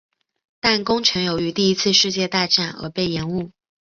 但工程由于第一次世界大战而被延误。